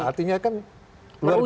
artinya kan luar biasa